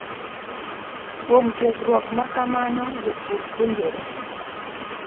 Kuom tiegruok ma kamano, jopur puonjore